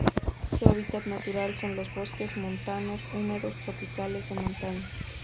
Su hábitat natural son los bosques montanos húmedos tropicales de montaña.